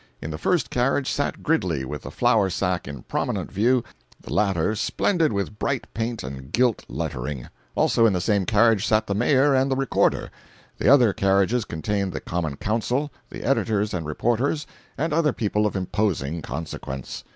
In the first carriage sat Gridley, with the flour sack in prominent view, the latter splendid with bright paint and gilt lettering; also in the same carriage sat the mayor and the recorder. The other carriages contained the Common Council, the editors and reporters, and other people of imposing consequence.